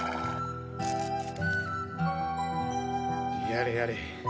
やれやれ。